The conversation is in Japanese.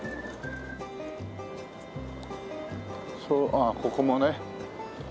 そうああここもね。